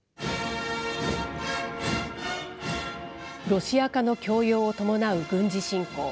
ロシア化の強要を伴う軍事侵攻。